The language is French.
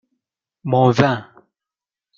Mon vin.